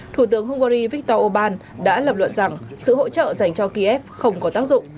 thủ tướng hungary viktor orbán đã lập luận rằng sự hỗ trợ dành cho kiev không có tác dụng